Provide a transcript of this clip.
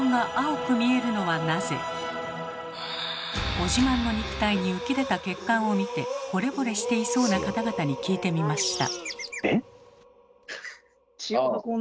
ご自慢の肉体に浮き出た血管を見てほれぼれしていそうな方々に聞いてみました。